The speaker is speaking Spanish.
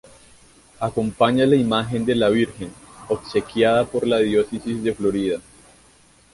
Acompaña la imagen de la Virgen, obsequiada por la diócesis de Florida.